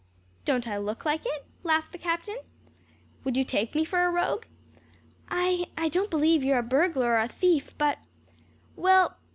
"Don't I look like it?" laughed the captain. "Would you take me for a rogue?" "I I don't believe you'd be a burglar or a thief, but " "Well?"